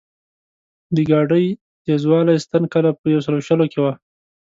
د ګاډۍ تېزوالي ستن کله په یو سلو شلو کې وه.